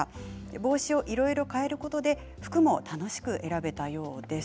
帽子をいろいろ替えることで服も楽しく選べたようです。